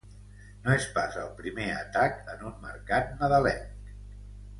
No és pas el primer atac en un mercat nadalenc.